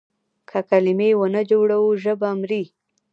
که کلمې ونه جوړو ژبه مري.